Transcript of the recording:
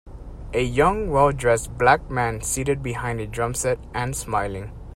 A young welldressed black man seated behind a drum set and smiling